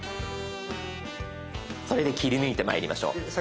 それで切り抜いてまいりましょう。